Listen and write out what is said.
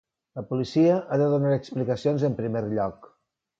La policia ha de donar explicacions en primer lloc.